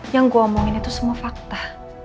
yang gue omongin itu semua fakta